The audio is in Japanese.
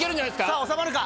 さぁ収まるか？